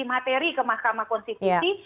materi ke mahkamah konstitusi